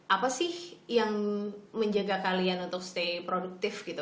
apa sih yang menjaga kalian untuk stay produktif gitu